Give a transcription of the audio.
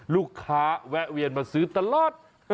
ลูกค้าแวะเวียนมาซื้อตลอด